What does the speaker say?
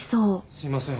すいません！